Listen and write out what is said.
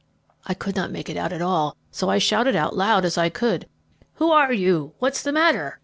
I could not make it out at all, so I shouted out as loud as I could, 'Who are you? What's the matter?'